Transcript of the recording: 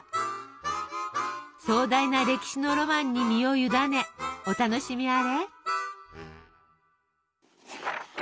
壮大な歴史のロマンに身を委ねお楽しみあれ。